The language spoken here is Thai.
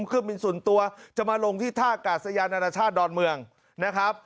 เครื่องบินส่วนตัวจะมาลงที่ท่ากาศยานานาชาติดอนเมืองนะครับ